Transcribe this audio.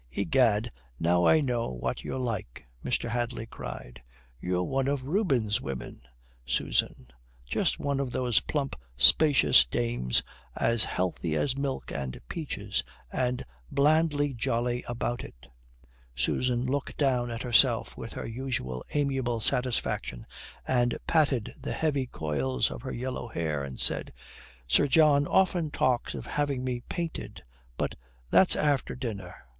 "Egad, now I know what you're like," Mr. Hadley cried. "You're one of Rubens' women, Susan; just one of those plump, spacious dames as healthy as milk and peaches, and blandly jolly about it." Susan looked down at herself with her usual amiable satisfaction and patted the heavy coils of her yellow hair and said: "Sir John often talks of having me painted. But that's after dinner.